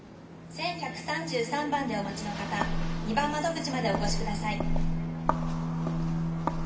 「１１３３番でお待ちの方２番窓口までお越し下さい」。